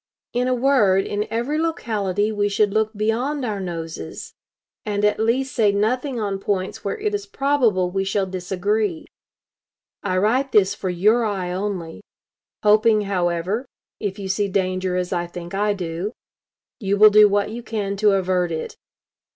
In a word, in every locality we should look beyond our noses; and at least say nothing on points where it is probable we shall disagree. I write this for your eye only; hoping, however, if you see danger as I think I do, you will do what you can to avert it.